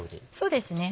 そうですね。